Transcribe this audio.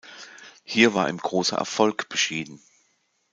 Hier war ihm großer Erfolg beschieden.